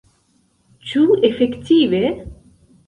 Ĉu efektive?